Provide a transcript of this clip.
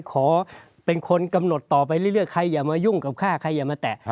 ขอเป็นคนกำหนดต่อไปเรื่อยใครอย่ามายุ่งกับข้าใครอย่ามาแตะ